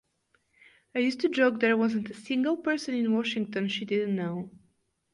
I used to joke there wasn't a single person in Washington she didn't know.